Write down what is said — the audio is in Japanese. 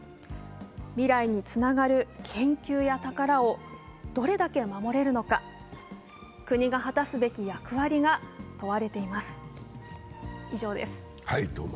未来につながる研究や宝をどれだけ守れるのか、国が果たすべき役割が問われています。